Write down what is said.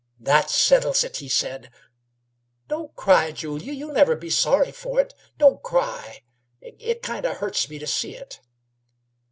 "That settles it," he said. "Don't cry, Julyie. You'll never be sorry for it. Don't cry. It kind o' hurts me to see it."